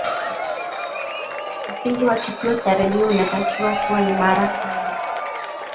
msingi wa kituo cha redio unatakiwa kuwa imara sana